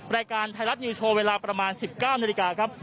รายการไทยรัฐนิวโชว์เวลาประมาณ๑๙นาฬิกาครับ